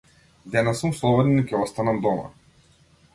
Денес сум слободен и ќе останам дома.